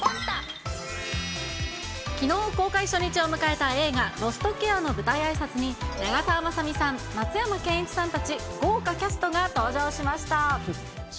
きのう、公開初日を迎えた映画、ロストケアの舞台あいさつに、長澤まさみさん、松山ケンイチさんたち、豪華キャストが登場しました。